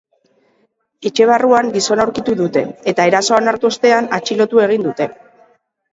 Etxe barruan gizona aurkitu dute, eta erasoa onartu ostean atxilotu egin dute.